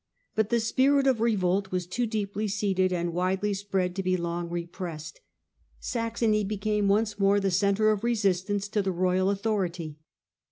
But the spirit of revolt was too deeply seated and widely spread to be long repressed. Saxony became once more the centre of resistance to the royal authority.